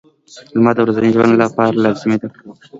• لمر د ورځني ژوند لپاره لازمي دی.